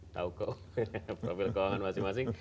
tahu kok profil keuangan masing masing